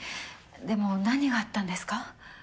でも何があったんですか？